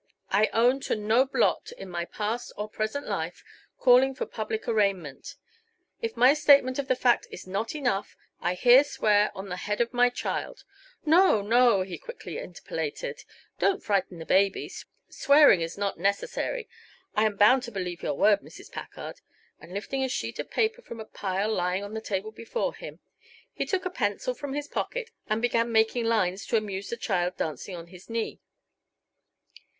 I own to no blot, in my past or present life, calling for public arraignment. If my statement of the fact is not enough, I here swear on the head of my child " "No, no," he quickly interpolated, "don't frighten the baby. Swearing is not necessary; I am bound to believe your word, Mrs. Packard." And lifting a sheet of paper from a pile lying on the table before him, he took a pencil from his pocket and began making lines to amuse the child dancing on his knee.